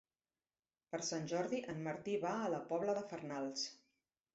Per Sant Jordi en Martí va a la Pobla de Farnals.